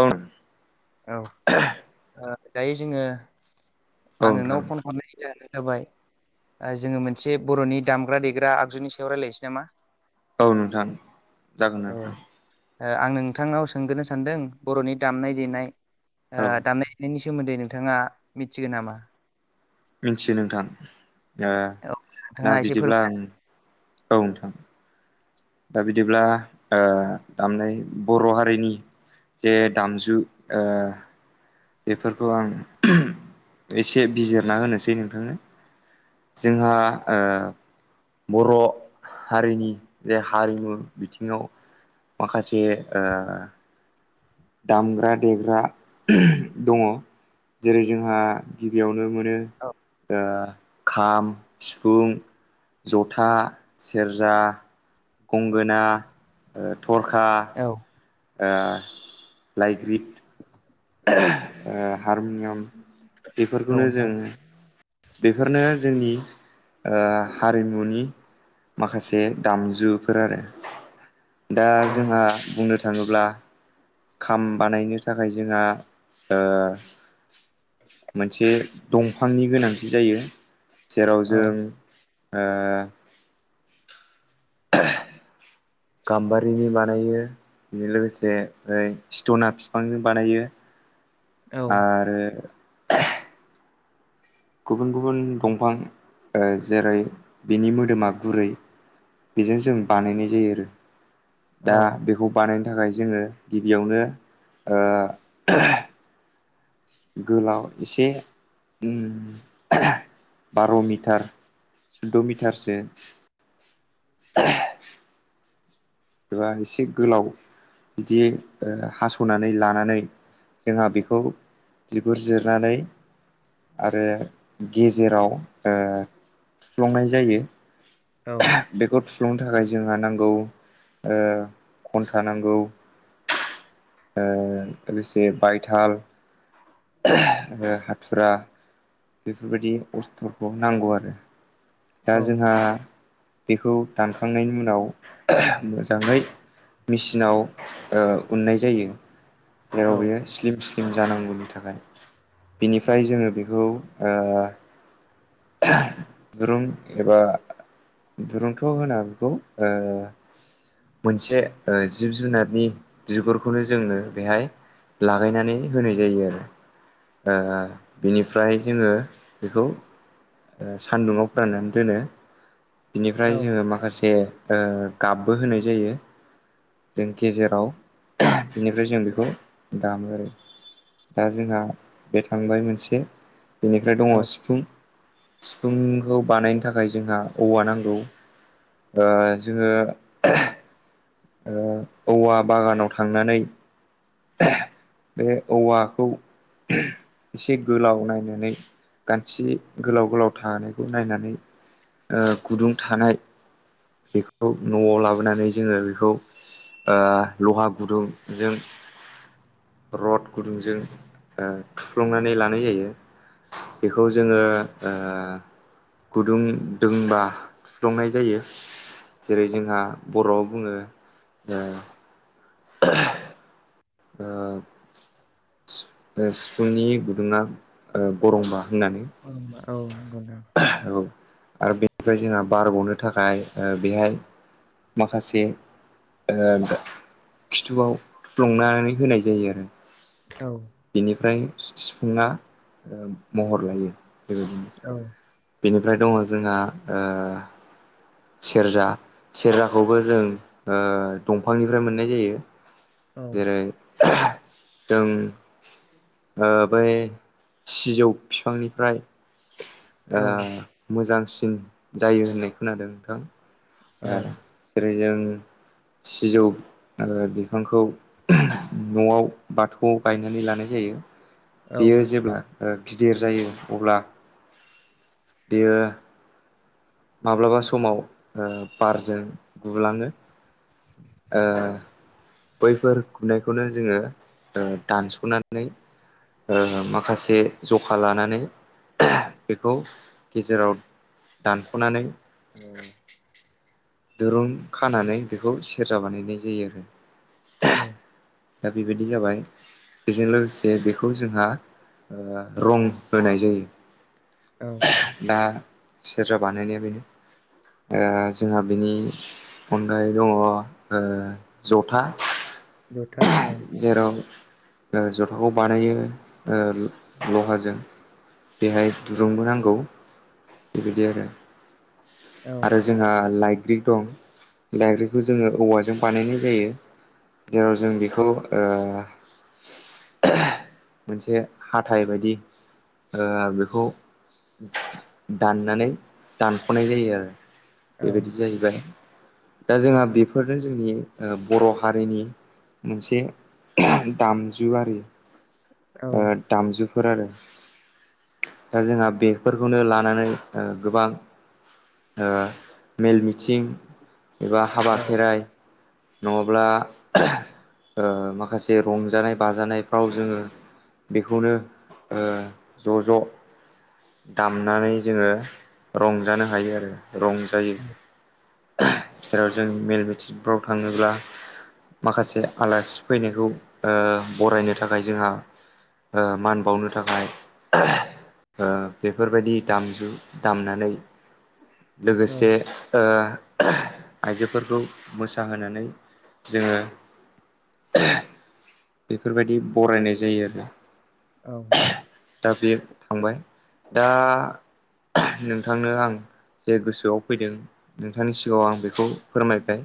औ औ दायो जोङो औ आं नोंथां नोंनाव फन हरनाय जाहोना जाबाय जोङो मोनसे बर'नि दामग्रा देग्रा आगजुनि सायाव रायलायनोसै नामा औ नोंथां जागोन नोंथां ओ आं नोंथांनाव सोंग्रोनो सानदों बर'नि दामनाय देनाय औ ओ दामनाय देनायनि सोमोन्दै नोंथाङा मिथिगोन नामा मिथियो नोंथां औ नोंथाङा दा एसे फोर बिदिब्ला आं औ नोंथां दा बिदिब्ला ओ दामनाय बर' हारिनि जे दामजु ओ बेफोरखौ आं एसे बिजिरना होनोसै नोंथांनो जोंहा ओ बर' हारिनि जे हारिमु बिथिङाव माखासे ओ दामग्रा देग्रा दङ जेरै जोंहा गिबियावनो मोनो औ ओ खाम सिफुं जथा सेरजा गंगोना थरखा औ ओ लाइग्रिद हारमुनियाम बेफोरखौनो जों नोंथां बेफोरनो जोंनि ओ हारिमुनि माखासे दामजुफोर आरो दा औ जोंहा बुंनो थाङोब्ला खाम बानायनो थाखाय जोंहा ओ मोनसे दंफांनि गोनांथि जायो जेराव औ जों ओ गाम्बारिनि बानायो बेजों लोगोसे ओ सेथना बिफांजों बानायो औ आरो गुबुन गुबुन दंफां ओ जेरै बिनि मोदोमा गुरै बेजों जों बानायनाय जायो आरो दा औ बेखौ बानाय नो थाखाय जोङो गिबियावनो ओ गोलाव एसे उम बार' मिटार सुद्द' मिटारसो [unintelligible] एबा एसे गोलाव बिदि हासनानै लानानै जोंहा बेखौ बिगुर जिरनानै आरो गेजेराव थुफ्लंनाय जायो औ बेखौ थुफ्लुंनो थाखाय जोंहा नांगौ खन्था नांगौ लोगोसे बायथाल आरो हाथुरा बेफोरबायदि अस्थ्रखौ नांगौ आरो दा जोंहा बेखौ दानखांनायनि उनाव मोजाङै मेसिनाव उननाय जायो औ जेराव बेयो स्लिम स्लिम जानांगौनि थाखाय बिनिफ्राय जोङो बेखौ दुरुं एबा दुरुंखौ होना बेखौ मोनसे जिब जुनारनि बिगुरखौनो जोंनो बेहाय लागायनानै होनाय जायो आरो आ आ बिनिफ्राय जोङो बेखौ सान्दुंङाव फोराननानै दोनो बिनिफ्राय जोङो माखासे गाबबो होनाय जायो। जों गेजेराव बिनिफ्राय जों बेखौ दामो आरो दा जोंहा बे थांबाय मोनसे बेनिफ्राय दङ औ सिफुं सिफुंखौ बानायनो थाखाय जोंहा औवा नांगौ ओ जोङो औवा बागानाव थांनानै बे औवाखौ एसे गोलाव नायनानै गानथि गोलाव गोलाव थानायखौ नायनानै गुदुं थानाय बेखौ न'आव लाबोनानै जोङो बेखौ लहा गुदुंजों रड गुदुंजों थुफ्लंनानै लानाय जायो। बेखौ जोङो ओ गुदुं दोंबा थुफ्लुंनाय जायो जेरै जोंहा बर'आव बुङो सिफुंनि गुदुङा गरंबा होननानै औ नंगौ नोंथां औ आरो बेनिफ्राय जोंहा बार ग'नो थाखाय बेहाय माखासे खिथुआव थुफ्लुंनानै होनाय जायो आरो औ बेनिफ्राय सिफुुङा महर लायो बेबायदिनो औ बेनिफ्राय दङ जोंहा ओ सेरजा सेरजाखौबो जों दंफांनिफ्राय मोननाय जायो। औ जेरै जों बै सिजौ बिफांनिफ्राय औ मोजांसिन जायो होननाय खोनादों नोंथां औ [unintelligible] सिजौ बिफांखौ न'आव बाथौआव गायनानै लानाय जायो बेयो जेब्ला गिदिर जायो अब्ला बेयो माब्लाबा समाव बारजों गुलाङो ओ बैफोर गुनायखौनो जोङो दानस'नानै माखासे जखा लानानै बेखौ गेजेराव दानख'नानै दुरुं खानानै बेखौ सेरजा बानायनाय जायो आरो औ दा बेबायदि जाबाय बेजों लोगोसे बेखौ जोंहा रं होनाय जायो औ दा सेरजा बानायनाया बेनो जोंहा बिनि अनगायै दङ जथा जथा औ जेराव। ओ जथाखौ बानायो ओ लहाजों। बेहाय दुरुंबो नांगौ बेबायदि आरो। औ आरो जोंहा लाइग्रि दं लाइग्रिखौ जोङो औवाजों बानायनाय जायो। जेराव जों बेखौ ओ। मोनसे हाथाइ बायदि। ओ बेखौ दाननानै दानख'नाय जायो आरो। औ बेबायदि जाहैबाय। दा जोंहा बेफोरनो जोंनि ओ बर' हारिनि। मोनसे दामजुआरि औ ओ दामजुब। फोर आरो। दा जोंहा बेफोरखौनो लानानै ओ गोबां। ओ मेल मिथिं एबा हाबा औ खेराइ। नङाब्ला ओ माखासे रंजानाय बाजानायफ्राव जोङो। बेखौनो ओ ज' ज'। दामनानै जोङो रंजानो हायो आरो रंजायो। जेराव जों मेल मिथिफोराव थाङोब्ला। माखासे आलासि फैनायखौ ओ बरायनो थाखाय जोंहा। ओ मान बावनो थाखाय। ओ बेफोरबायदि दामजु दामनानै। औ लोगोसे ओ। आइजोफोरखौ मोसाहोनानै जोङो। [inaudible] इफोरबायदि बरायनाय जायो आरो औ दा बे। थांबाय दा नोंथांनो आं। जे गोसोआव फैदो नोंथांनि सिगाङाव आं बेखौ फोरमायबाय।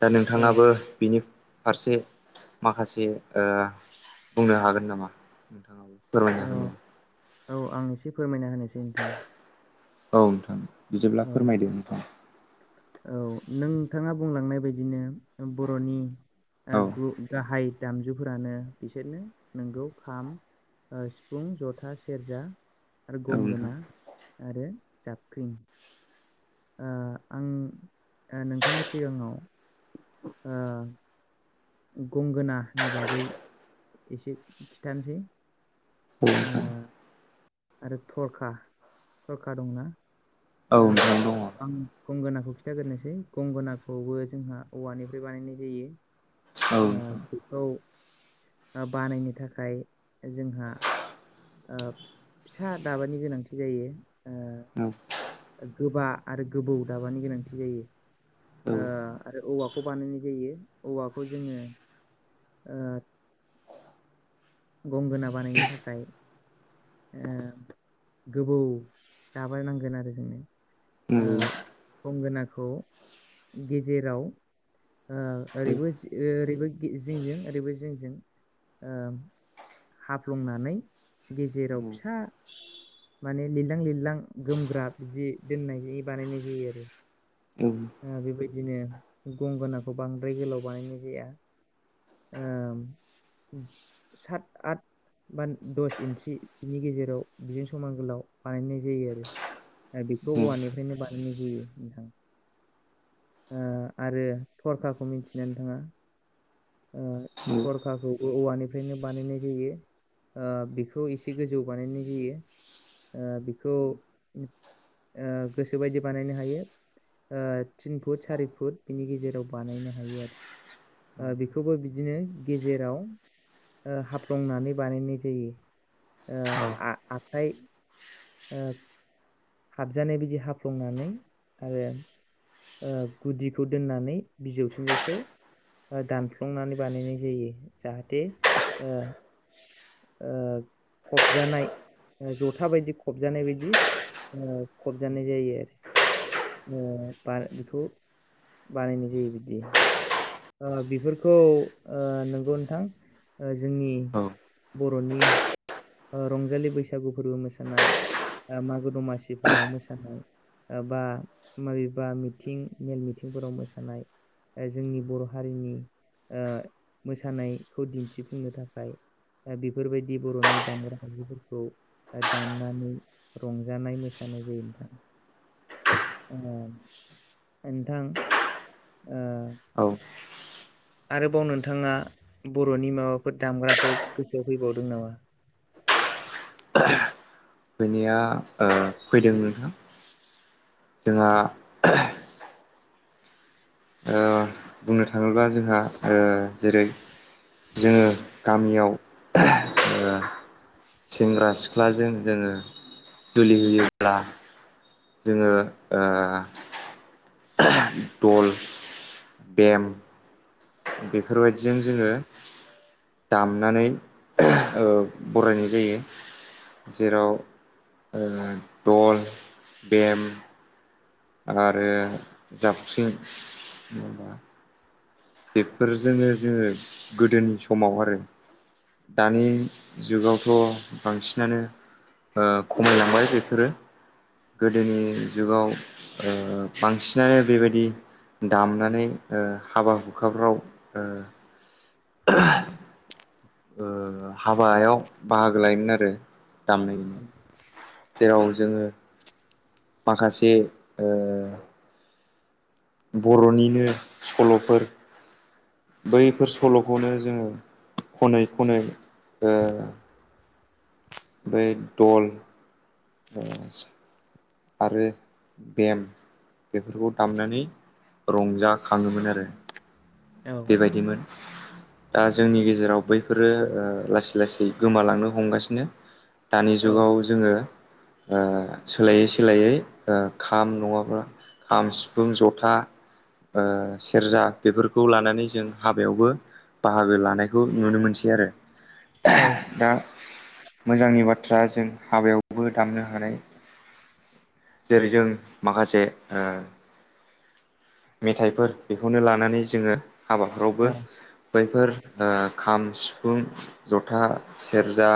दा औ नोंथाङाबो बिनि फारसे माखासे। ओ बुंनो हागोन नामा फोरमायनो हागोन औ नामा। औ आं एसे फोरमायना होनो। औ नोंथां बिदिब्ला औ फोरमायदो। औ नोंथाङा बुंलांनाय बायदिनो बर'नि। ओ औ गु गाहाय। दामजुफोरानो बिसोरनो नोंगौ खाम ओ सिफुं जथा सेरजा। आरो नोंथां औ गंगोना आरो जाबख्रिं। ओ आं ओ नोंथांनि सिगाङाव। ओ। गंगोनानि बागै इसे खिथानोसै। ओ [unintelligible] आरो थरखा थरखा दंना। औ ओ नोंथां दङ। आं गंगोनाखौ खिन्थाग्रोनोसै गंगोनाखौबो जोंहा औवानिफ्राय बानायनाय जायो। ओ बेखौ ओ बानायनो थाखाय जोंहा। ओ फिसा दाबानि गोनांथि जायो। ओ गोबा आरो गोबौ दाबानि गोनांथि जायो ओ आरो औवाख। खौ बानायनाय जायो औवाखौ जोङो ओ। गंगोना बानायनो थाखाय। ओ गोबौ जाबायनांगोन आरो जोंनो। ओ गंगोनाखौ गेजेराव। ओ ओरैबोस ओरैबो जिंजों ओरैबो जिंजों ओ। हाब्लंनानै गेजेराव फिसा। माने लिरलां लिरलां गोमग्रा बिदि दोननाय बानायनाय जायो आरो बेबायदिनो गंगोनाखौ बांद्राय गोलाव बानायनाय जाया सात आत बा दस इन्सि बिनि गेजेराव बेजों समान गोलाव बानायनाय जायो आरो बेखौ औवानिफ्रायनो बानायो बेनि जायो नोंथां आरो थरखाखौ मिथिनानै थाङा थरखाखौ औवानिफ्रायनो बानायनाय जायो बेखौ एसे गोजौ बानायनाय जायो बिखौ गोसोबायदि बानायनो हायो थिन फुट सारि फुट बिनि गेजेराव बानायनो हायो आरो बेखौबो बिदिनो गेजेराव हाफ्लंनानै बानायनाय जायो आं आखाइ हाबजानाय बायदि हाफ्लंनानै आरो गुदिखौ दोननानै बिजौथिंजायखौ दानफ्लंनानै बानायनाय जायो जाहाथे फबजानाय जथा बायदि फबजानाय बायदि खबजानाय जायो आरो बा बेखौ बानायनाय जायो बिदि बेफोरखौ नंगौ नोंथां जोंनि औ बर'नि रंजालि बैसागु फोरबो मोसानाय मागो दमासिफोराव मोसानाय बा माबेबा मिथिं मेल मिथिंफोराव मोसानाय जोंनि बर' हारिनि मोसानायखौ दिन्थिफुंनो थाखाय दा बेफोरबायदि बर'नि दामग्रा आजुफोरखौ दामनानै रंजानाय मोनो सानाय जायो नोंथां [inaudible] नोंथां औ आरोबाव नोंथाङा बर'नि माबाफोर दामग्रा फोर गोसोआव फैबावदों नामा फैनाया फैदों नोंथां जोंहा बुंनो थाङोब्ला जोंहा जेरै जोङो गामियाव सेंग्रा सिख्लाजों जोङो जुलि होयोब्ला जोङो दल बेम बेफोरबायदिजों जोङो दामनानै बरायनाय जायो जेराव दल बेम आरो जाबस्रिं माबा बेफोरजोंनो जोङो गोदोनि समाव आरो दानि जुगावथ' बांसिनानो खमायलांबाय बेफोरो गोदोनि जुगाव बांसिनानो बेबायदि दामनानै हाबा हुखाफ्राव हाबायाव बाहागो लायोमोन आरो दामनायनि औ जेराव जोङो माखासे बर'निनो सल'फोर बैफोर सल'खौनो जोङो ख'नै ख'नै ओ बेफ्राय दल आरो बेम बेफोरखौ दामनानै रंजाखाङोमोन आरो औ बेबायदिमोन दा जोंनि गेजेराव बैफोरो ओ लासै लासै गोमालांनो हमगासिनो दानि औ जुगाव जोङो आ सोलायै सोलायै आ खाम नङाब्ला खाम सिफुं ज'था सेरजा आ बे खौ लानानै जों हाबायावबो बाहागो लानायखौ नुनो मोनसै आरो औ दा मोजांनि बाथ्रा जों हाबायावबो दामनो हानाय जेरै जों माखासे आ मेथाइफोर बेखौनो लानानै जोङो हाबाफोरावबो औ बैफोर आ खाम, सिफुं, ज'था, सेरजा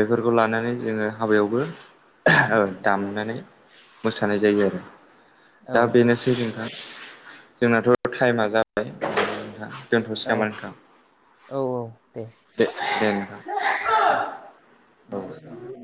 बेफोरखौ लानानै जोङो हाबायावबो ओ दामनानै मोसानाय जायो आरो औ दा बेनोसै जोंखा जोंनाथ' टाइमा जाबायों दोनथ'सै नामा नोंथां? औ औ दे दे नोंथां दे औ